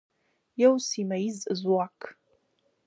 یو سیمه ییز ځواک.